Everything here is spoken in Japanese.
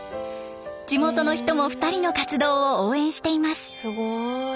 地元の人も２人の活動を応援しています。